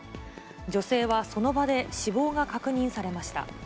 女性はその場で死亡が確認されました。